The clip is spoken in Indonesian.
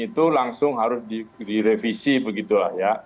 itu langsung harus direvisi begitulah ya